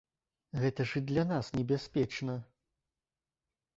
Гэта ж і для нас небяспечна.